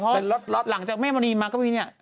เพราะว่าหลังจากแม่มณีมาก็เป็นเนี่ย